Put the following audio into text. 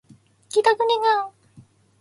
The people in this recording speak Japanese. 帰宅時間